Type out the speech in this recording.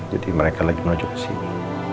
jadi mereka lagi menuju kesini